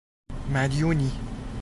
مدیونی